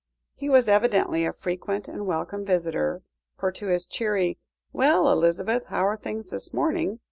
He was evidently a frequent and welcome visitor, for to his cheery "Well, Elizabeth, how are things this morning?"